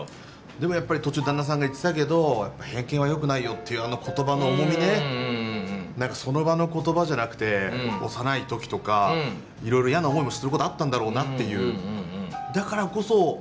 でもやっぱり途中旦那さんが言ってたけど何かその場の言葉じゃなくて幼い時とかいろいろ嫌な思いもすることあったんだろうなっていう。